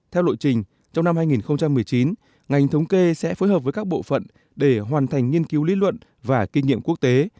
theo lộ trình trong năm hai nghìn một mươi chín ngành thống kê sẽ phối hợp với các bộ phận để hoàn thành nghiên cứu lý luận và kinh nghiệm quốc tế